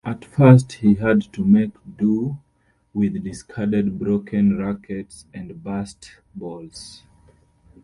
At first he had to make do with discarded broken rackets and burst balls.